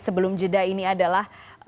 sebelum jeda ini adalah